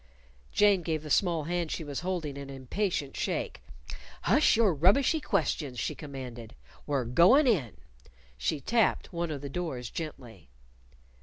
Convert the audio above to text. Jane gave the small hand she was holding an impatient shake. "Hush your rubbishy questions," she commanded "We're goin' in!" She tapped one of the doors gently.